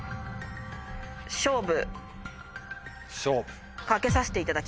勝負。